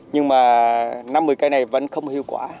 nhưng mà năm mươi cây này vẫn không hiệu quả